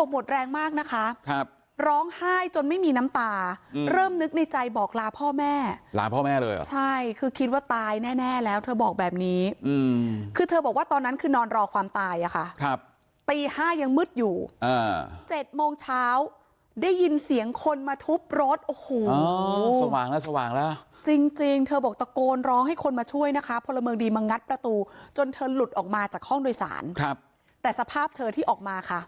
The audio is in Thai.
ครับร้องไห้จนไม่มีน้ำตาอืมเริ่มนึกในใจบอกลาพ่อแม่ลาพ่อแม่เลยใช่คือคิดว่าตายแน่แล้วเธอบอกแบบนี้อืมคือเธอบอกว่าตอนนั้นคือนอนรอความตายอ่ะค่ะครับตีห้ายังมืดอยู่อ่าเจ็ดโมงเช้าได้ยินเสียงคนมาทุบรถโอ้โหสว่างแล้วสว่างแล้วจริงเธอบอกตะโกนร้องให้คนมาช่วยนะครับพลเมิงดีม